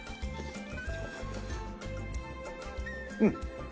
うん！